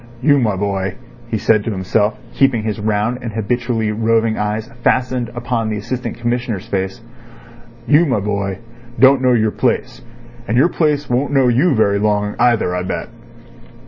"You, my boy," he said to himself, keeping his round and habitually roving eyes fastened upon the Assistant Commissioner's face—"you, my boy, you don't know your place, and your place won't know you very long either, I bet."